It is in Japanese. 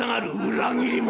「裏切り者。